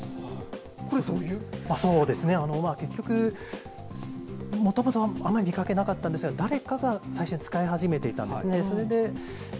そうですね、結局もともとあまり見かけなかったんですが誰かが最初に使い始めていたんですね。